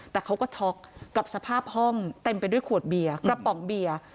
แต่เขาก็ช็อกกับสภาพห้องเต็มไปด้วยขวดเบียร์กระป๋องเบียร์